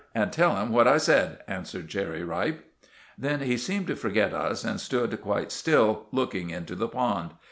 And tell him what I said," answered Cherry Ripe. Then he seemed to forget us, and stood quite still looking into the pond.